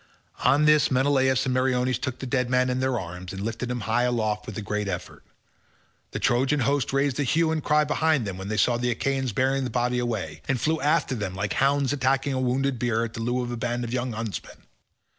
On this Menelaus and Meriones took the dead man in their arms and lifted him high aloft with a great effort. The Trojan host raised a hue and cry behind them when they saw the Achaeans bearing the body away, and flew after them like hounds attacking a wounded boar at the loo of a band of young huntsmen.